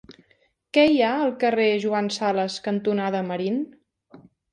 Què hi ha al carrer Joan Sales cantonada Marín?